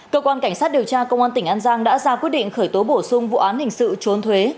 cơ quan cảnh sát điều tra công an tỉnh an giang đã ra quyết định khởi tố bổ sung vụ án hình sự trốn thuế